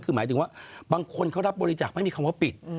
คือหมายถึงว่าบางคนเขารับบริจาคไม่มีคำว่าปิด